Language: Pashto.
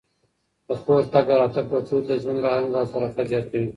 د خور تګ او راتګ په کور کي د ژوند رنګ او برکت زیاتوي.